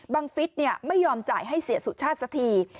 ฟิศไม่ยอมจ่ายให้เสียสุชาติสักที